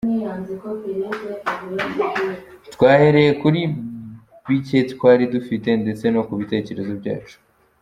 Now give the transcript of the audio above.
Twahereye kuri bike twari dufite ndetse no ku bitekerezo byacu.